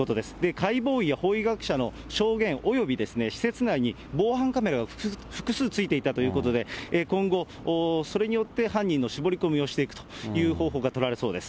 解剖医や法医学者の証言および、施設内に防犯カメラが複数ついていたということで、今後、それによって犯人の絞り込みをしていくという方法が取られそうです。